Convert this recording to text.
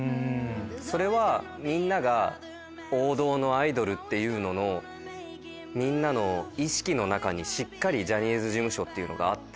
それはみんなが王道のアイドルっていうののみんなの意識の中にしっかりジャニーズ事務所があって。